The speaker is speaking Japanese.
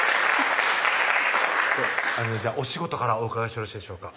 お仕事からお伺いしてよろしいでしょうか？